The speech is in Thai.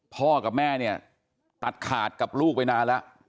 พ่อกับแม่เนี่ยตัดขาดกับลูกไปนานแล้ว